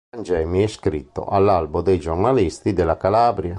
Gangemi è iscritto all’Albo dei giornalisti della Calabria.